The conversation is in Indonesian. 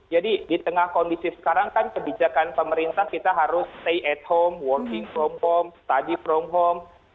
jadi di tengah kondisi sekarang kan kebijakan pemerintah kita harus stay at home working from home study from home